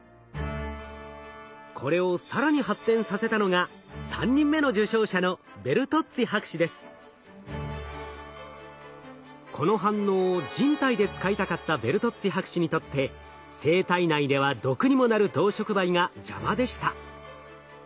これを更に発展させたのが３人目の受賞者のこの反応を人体で使いたかったベルトッツィ博士にとって生体内では毒にもなる銅触媒が邪魔でした。